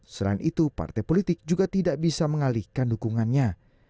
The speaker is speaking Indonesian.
selain itu partai politik juga tidak bisa mengalihkan dukungannya